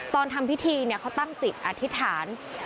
ตอนทำพิธีเขาตั้งจิตอธิษฐาน